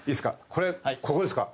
これここですか？